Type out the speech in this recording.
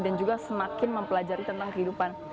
dan juga semakin mempelajari tentang kehidupan